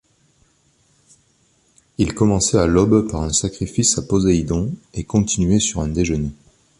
Ils commençaient à l'aube par un sacrifice à Poséidon, et continuaient sur un déjeuner.